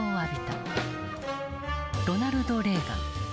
ロナルド・レーガン。